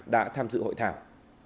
đã tham dự hội thảo